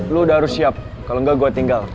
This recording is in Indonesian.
lu udah harus siap kalo engga gua tinggal